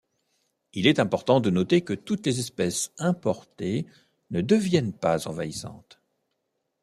Il est important de noter que toutes les espèces importées ne deviennent pas envahissantes.